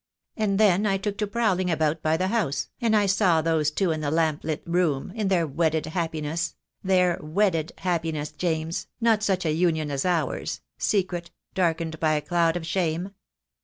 And then I took to prowling about by the house, and I saw those two in the lamp lit room, in their wedded happiness — their wedded happiness, James, not such a union as ours, secret, darkened by a cloud of shame.